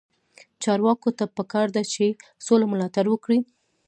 چارواکو ته پکار ده چې، سوله ملاتړ وکړي.